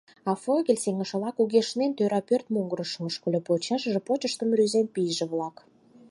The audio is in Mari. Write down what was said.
А Фогель, сеҥышыла кугешнен, тӧра пӧрт могырыш ошкыльо, почешыже, почыштым рӱзен, пийже-влак.